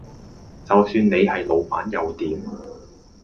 就算你係老闆又點